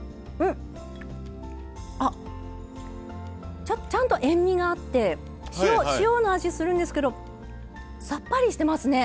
あっちゃんと塩味があって塩の味するんですけどさっぱりしてますね。